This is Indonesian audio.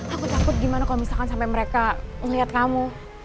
aku takut gimana kalo misalkan sampe mereka ngeliat kamu